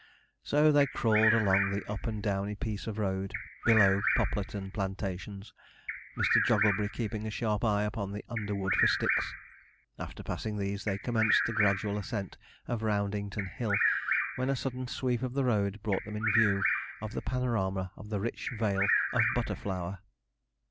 So they crawled along the up and downy piece of road below Poplarton plantations, Mr. Jogglebury keeping a sharp eye upon the underwood for sticks. After passing these, they commenced the gradual ascent of Roundington Hill, when a sudden sweep of the road brought them in view of the panorama of the rich Vale of Butterflower.